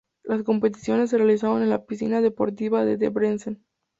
Las competiciones se realizaron en la Piscina Deportiva de Debrecen.